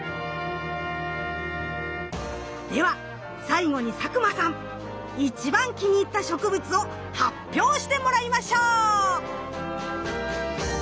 では最後に佐久間さん一番気に入った植物を発表してもらいましょう！